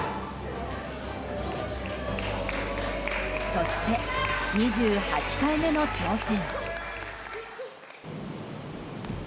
そして、２８回目の挑戦。